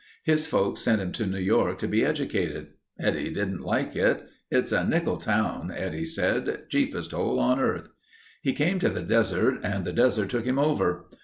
His folks sent him to New York to be educated. Eddie didn't like it. 'It's a nickel town,' Eddie said. 'Cheapest hole on earth.' He came to the desert and the desert took him over.